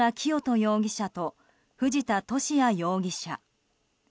容疑者と藤田聖也容疑者。